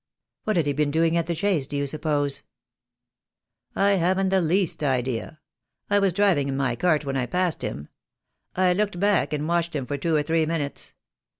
"What had he been doing at the Chase, do you sup pose?" "I haven't the least idea. I was driving in my cart when I passed him. I looked back and watched him for two or three minutes.